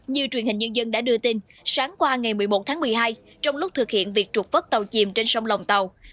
như truyền hình nhân dân đã đưa tin sáng qua ngày một mươi một tháng một mươi hai trong lúc thực hiện việc trục vớt tàu chìm trên sông lòng tàu